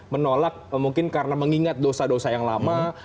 menolak mungkin karena mengingat dosa dosa yang lama